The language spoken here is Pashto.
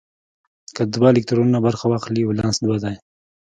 که دوه الکترونونه برخه واخلي ولانس دوه دی.